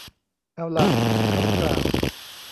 เอาล่ะ เขากล่าว